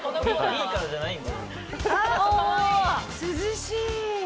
涼しい！